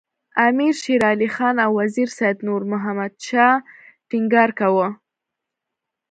امیر شېر علي خان او وزیر سید نور محمد شاه ټینګار کاوه.